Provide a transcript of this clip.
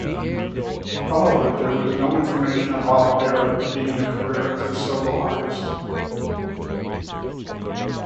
However, there was no information about Barrett beginning a career as a solo artist.